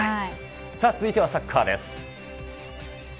さあ続いてはサッカーです。